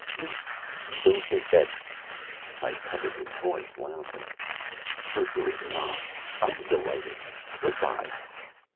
you... you don't think that " I covered his voice loudly: "Certainly not.... I am delighted. Good by."